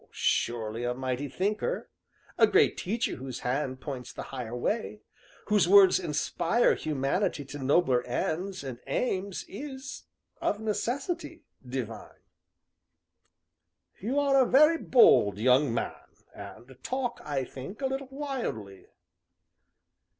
"Surely a mighty thinker a great teacher whose hand points the higher way, whose words inspire Humanity to nobler ends and aims, is, of necessity, divine." "You are a very bold young man, and talk, I think, a little wildly."